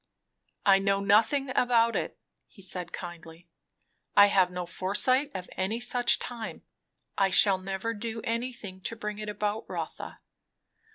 "I know nothing about it," he said kindly. "I have no foresight of any such time. I shall never do anything to bring it about, Rotha.